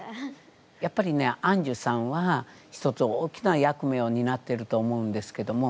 やっぱりねあんじゅさんは一つ大きな役目をになってると思うんですけども。